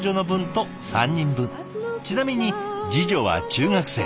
ちなみに次女は中学生。